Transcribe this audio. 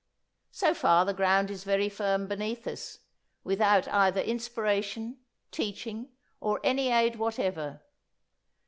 So far the ground is very firm beneath us, without either inspiration, teaching, or any aid whatever.